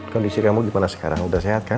kondisi kamu gimana sekarang udah sehat kan